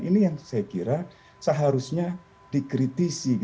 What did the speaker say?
ini yang saya kira seharusnya dikritisi